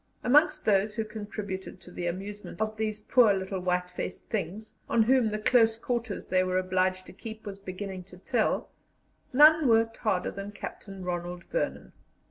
Amongst those who contributed to the amusement of these poor little white faced things, on whom the close quarters they were obliged to keep was beginning to tell, none worked harder than Captain Ronald Vernon.